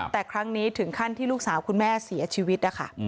แต่ครั้งนี้ถึงขั้นที่ลูกสาวคุณแม่เสียชีวิตนะคะ